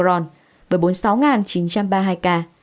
do sự lây lan của biến thể omicron với bốn mươi sáu chín trăm ba mươi hai ca